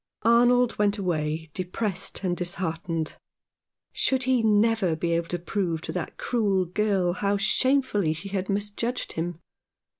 Arnold went away depressed and disheartened. Should he never be able to prove to that cruel girl how shamefully she had misjudged him